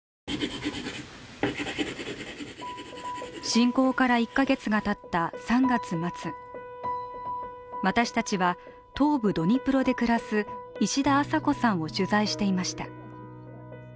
侵攻から１カ月がたった３月末、私たちは東部ドニプロで暮らす石田朝子さんを取材していました。